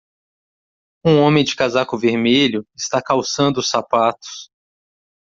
Um homem de casaco vermelho está calçando os sapatos.